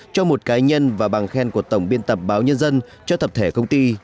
cho một cái nhân và bằng khen của tổng biên tập báo nhân dân cho thập thể công ty